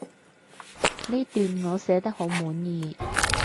呢段我寫得好滿意